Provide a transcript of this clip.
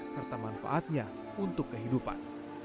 serta manfaatnya untuk kehidupan